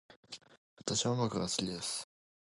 私は音楽が好きです。